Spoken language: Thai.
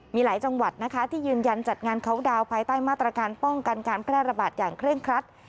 มีหลายจังหวัดนะคะที่ยืนยันจัดงานเขาดาวนภายใต้มาตรการป้องกันการแพร่ระบาดอย่างเคร่งครัด